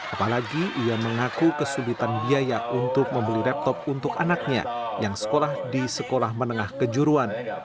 apalagi ia mengaku kesulitan biaya untuk membeli laptop untuk anaknya yang sekolah di sekolah menengah kejuruan